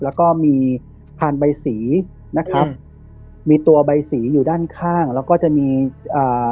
แล้วก็มีพานใบสีนะครับมีตัวใบสีอยู่ด้านข้างแล้วก็จะมีอ่า